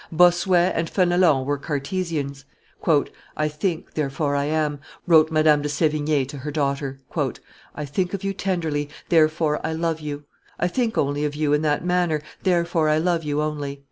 Bossuet and Fenelon were Cartesians. "I think, therefore I am," wrote Madame de Sevigne to her daughter. "I think of you tenderly, therefore I love you; I think only of you in that manner, therefore I love you only."